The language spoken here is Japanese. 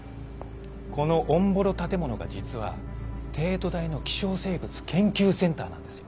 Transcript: このオンボロ建物が実は帝都大の稀少生物研究センターなんですよ。